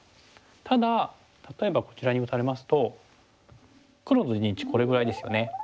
ただ例えばこちらに打たれますと黒の陣地これぐらいですよね。